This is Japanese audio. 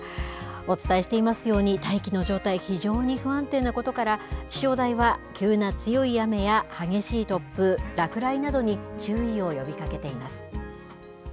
お伝えしていますように、大気の状態、非常に不安定なことから、気象台は急な強い雨や激しい突風、落雷などに注意を呼びかけています。